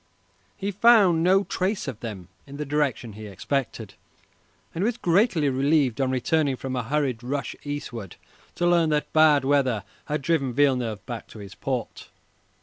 He found no trace of them in the direction he expected, and he was greatly relieved on returning from a hurried rush eastward to learn that bad weather had driven Villeneuve back to his port.